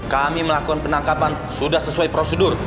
kami melakukan penangkapan sudah sesuai prosedur